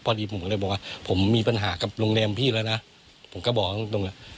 พอดีผมก็เลยบอกว่าผมมีปัญหากับโรงแรมพี่แล้วนะผมก็บอกตรงแล้ว